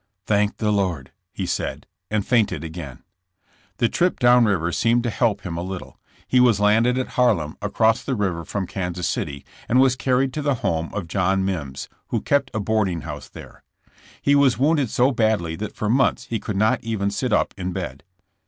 "Thank the Lord," he said, and fainted again. The trip down river seemed to help him a little. He was landed at Harlem, across the river from Kan sas City, and was carried to the home of John Mimms, who kept a boarding house there. He was wounded so badly that for months he could not even sit up in bed.